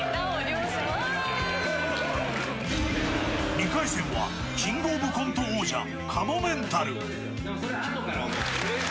２回戦はキングオブコント王者かもめんたる。